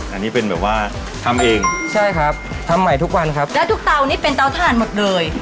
อันนี้เป็นแบบว่าทำเองใช่ครับทำใหม่ทุกวันครับแล้วทุกเตานี่เป็นเตาถ่านหมดเลย